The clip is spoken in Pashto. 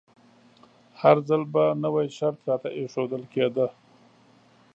هر ځل به نوی شرط راته ایښودل کیده.